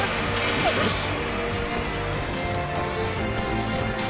よし！